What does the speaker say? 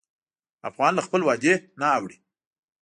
افغان له خپل وعدې نه اوړي.